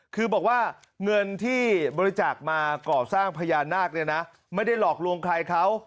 คือบอกว่าเงินที่บริจาคมาก่อสร้างพญานาคเนี่ยนะไม่ได้หลอกลวงใครเขา